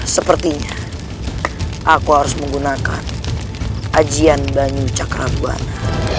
sepertinya aku harus menggunakan ajian banyu cakrabar